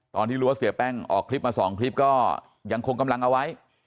ตอนที่รู้ว่าเสียแป้งออกคลิปมา๒คลิปก็ยังคงกำลังเอาไว้